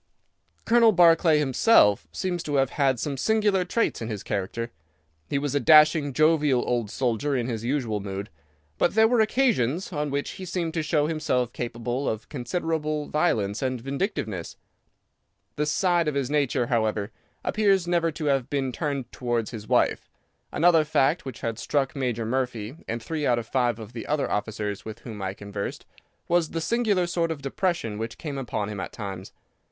"Colonel Barclay himself seems to have had some singular traits in his character. He was a dashing, jovial old soldier in his usual mood, but there were occasions on which he seemed to show himself capable of considerable violence and vindictiveness. This side of his nature, however, appears never to have been turned towards his wife. Another fact, which had struck Major Murphy and three out of five of the other officers with whom I conversed, was the singular sort of depression which came upon him at times.